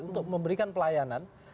untuk memberikan pelayanan